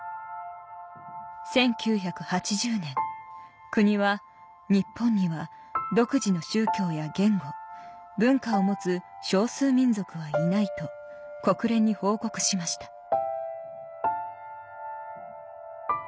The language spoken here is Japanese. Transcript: １９８０年国は「日本には独自の宗教や言語文化を持つ少数民族はいない」と国連に報告しました